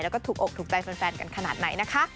แล้วก็ถูกอกถูกใจแฟนกันขนาดไหนนะคะ